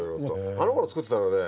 あのころ作ってたのはね